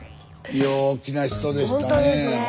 陽気な人でしたねえ。